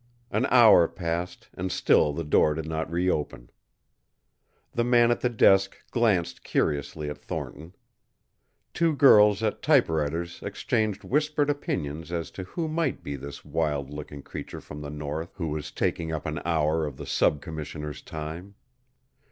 An hour passed and still the door did not reopen. The man at the desk glanced curiously at Thornton. Two girls at typewriters exchanged whispered opinions as to who might be this wild looking creature from the north who was taking up an hour of the sub commissioner's time.